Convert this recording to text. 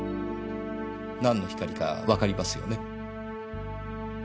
何の光かわかりますよね？